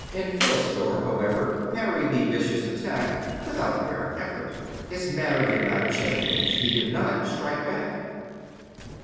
Enphilistor, however, parried the vicious attack without apparent effort. His manner did not change. He did not strike back.